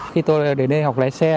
khi tôi đến đây học lái xe